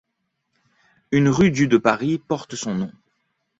Une rue du de Paris porte son nom.